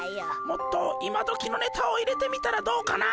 もっと今どきのネタを入れてみたらどうかな。